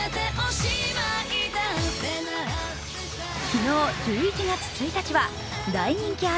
昨日１１月１日は大人気